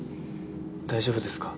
大丈夫ですか？